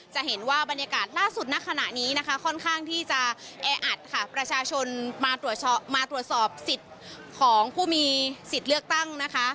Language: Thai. จะเห็นว่าบรรยากาศล่าสุดนักขณะนี้ค่อนข้างที่จะแออัดประชาชนมาตรวจสอบสิทธิ์ของผู้มีสิทธิ์เลือกตั้ง